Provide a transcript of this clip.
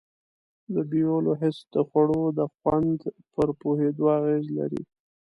د بویولو حس د خوړو د خوند پر پوهېدو اغیز لري.